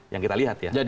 yang kita lihat ya